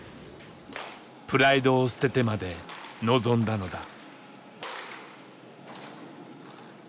プライドを捨ててまで臨んだのだ。